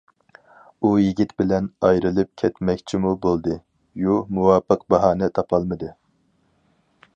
ئۇ يىگىت بىلەن ئايرىلىپ كەتمەكچىمۇ بولدى- يۇ، مۇۋاپىق باھانە تاپالمىدى.